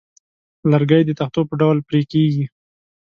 لرګی د تختو په ډول پرې کېږي.